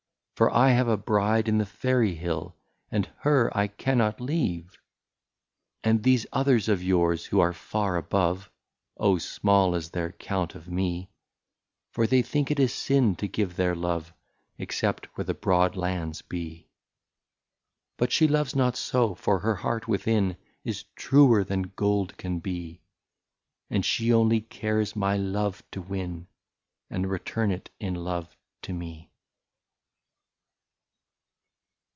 For I have a bride in the fairy hill, And her I cannot leave ?" And these others of yours, who are far above Oh ! small is their count of me, For they think it a sin to give their love, Except where the broad lands be. *' But she loves not so, for her heart within Is truer than gold can be. And she only cares my love to win, And return it in love to me.